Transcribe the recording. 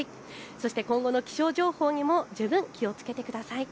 そして今後の気象情報にも十分気をつけてください。